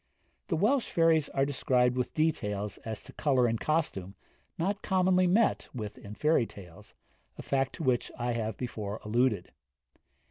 The Welsh fairies are described with details as to colour in costume not commonly met with in fairy tales, a fact to which I have before alluded.